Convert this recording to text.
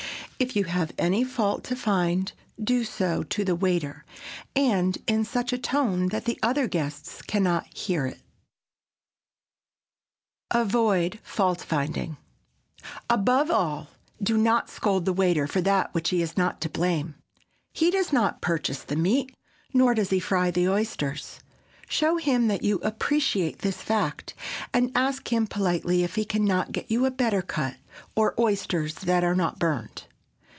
If you have any fault to find, do so to the waiter and in such a tone that the other guests can not hear it. [Sidenote: AVOID FAULTFINDING] Above all, do not scold the waiter for that for which he is not to blame. He does not purchase the meat, nor does he fry the oysters. Show him that you appreciate this fact, and ask him politely if he can not get you a better cut, or oysters that are not burned.